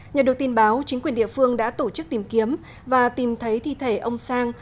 nhờ được tin báo chính quyền địa phương đã tổ chức tìm kiếm và tìm thấy thi thể ông sang